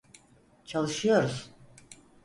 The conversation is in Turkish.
Çalışıyoruz.